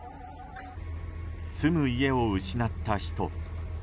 住む家を失った人。